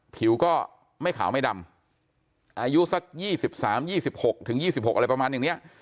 ผิวก็ไม่ขาวไม่ดำอายุสัก๒๓๒๖ถึง๒๖อะไรประมาณอย่างนี้